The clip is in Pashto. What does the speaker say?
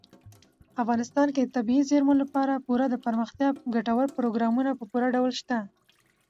افغانستان کې د طبیعي زیرمې لپاره پوره دپرمختیا ګټور پروګرامونه په پوره ډول شته.